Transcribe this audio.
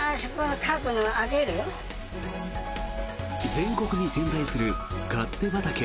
全国に点在する勝手畑。